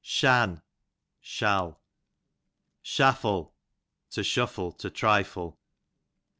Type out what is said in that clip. Shan, shall. Shaffle, to shuffle, to trifle.